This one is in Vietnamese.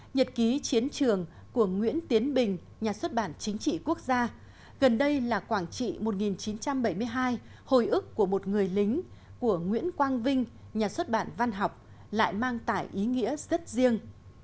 nhật ký chiến trường của nguyễn tiến bình nhà xuất bản chính trị quốc gia gần đây là quảng trị một nghìn chín trăm bảy mươi hai hồi ức của một người lính của nguyễn quang vinh nhà xuất bản văn học lại mang tải ý nghĩa rất riêng